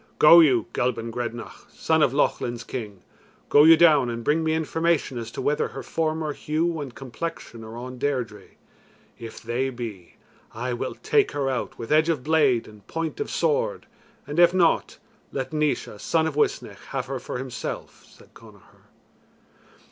"Go you, Gelban Grednach, son of Lochlin's King, go you down and bring me information as to whether her former hue and complexion are on Deirdre. If they be, I will take her out with edge of blade and point of sword, and if not, let Naois, son of Uisnech, have her for himself," said Connachar.